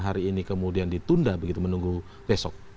hari ini kemudian ditunda begitu menunggu besok